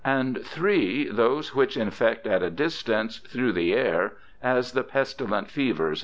and (3) those which infect at a distance through the air, as the pestilent fevers, &c.